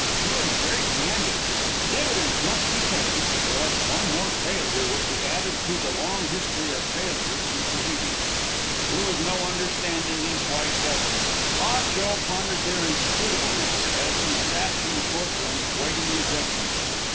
He was very candid. Dividends must be paid, or else one more failure would be added to the long history of failure in Tahiti. There was no understanding these white devils. Ah Cho pondered their inscrutableness as he sat in the court room waiting the judgment.